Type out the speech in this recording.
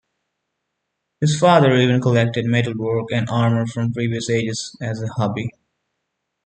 His father even collected metalwork and armour from previous ages as a hobby.